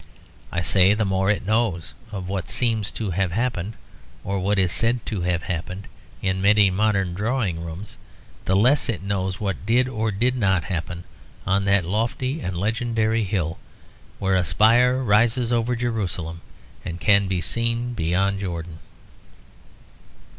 I say the more it knows of what seems to have happened, or what is said to have happened, in many modern drawing rooms, the less it knows what did or did not happen on that lofty and legendary hill, where a spire rises over Jerusalem and can be seen beyond Jordan.